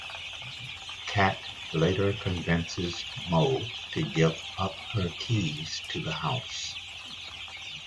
Kat later convinces Mo to give up her keys to the house.